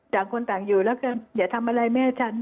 ต่างคนต่างอยู่แล้วก็อย่าทำอะไรแม่ฉัน